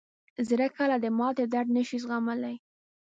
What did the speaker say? زړه کله د ماتې درد نه شي زغملی.